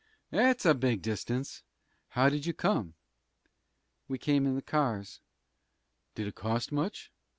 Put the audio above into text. That's a big distance. How did you come?" "We came in the cars." "Did it cost much?"